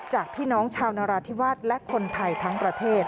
จากพี่น้องชาวนราธิวาสและคนไทยทั้งประเทศ